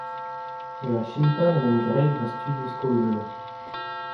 E Washington em eus graet ma studioù skol-veur.